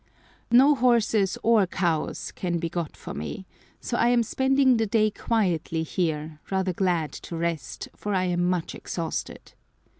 No horses or cows can be got for me, so I am spending the day quietly here, rather glad to rest, for I am much exhausted.